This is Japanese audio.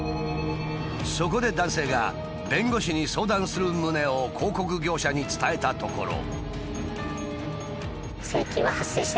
そこで男性が弁護士に相談する旨を広告業者に伝えたところ。